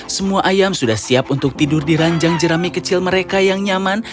semua ayam sudah siap untuk tidur di ranjang jerami kecil mereka yang nyaman